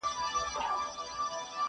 په دې ښار كي د قدرت لېوني ډېر وه.!